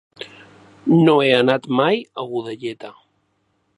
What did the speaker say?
No he anat mai a Godelleta.